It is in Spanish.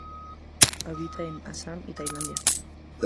Habita en Assam y Tailandia.